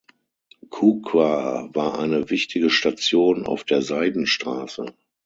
Kuqa war eine wichtige Station auf der Seidenstraße.